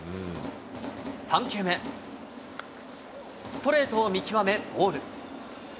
ストレートを見極め、ボール。